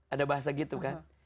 ada bahasa gitu kan